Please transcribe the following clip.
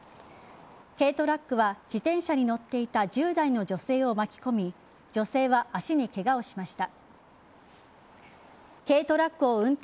軽トラックは自転車に乗っていた１０代の女性を巻き込み女性は足にケガをしました。